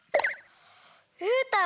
うーたん